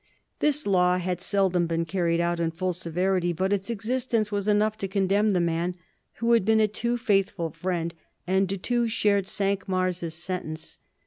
This law had seldom been carried out in full severity, but its existence was enough to condemn the man who had been a too faithful friend, and de Thou shared Cinq Mars' sentence.